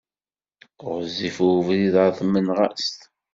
Ɣezzif ubrid ɣer Tmenɣast.